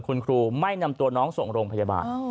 คุณครูไม่นำตัวน้องส่งโรงพยาบาล